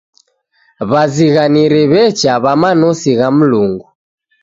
W'azighaniri w'echa w'a manosi gha Mlungu.